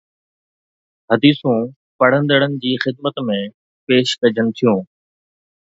حديثون پڙهندڙن جي خدمت ۾ پيش ڪجن ٿيون